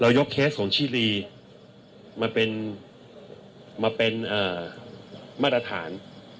ยกเคสของชิลีมาเป็นมาตรฐาน